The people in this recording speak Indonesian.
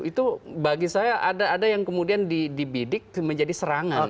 itu bagi saya ada yang kemudian dibidik menjadi serangan